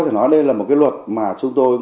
thì nói đây là một cái luật mà chúng tôi